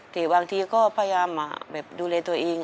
แต่บางทีก็พยายามดูแลตัวเอง